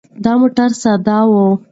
دا موټر ساده و.